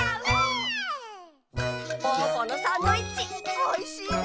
ぽぅぽのサンドイッチおいしいね。